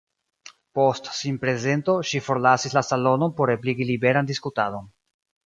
Post sinprezento, ŝi forlasis la salonon por ebligi liberan diskutadon.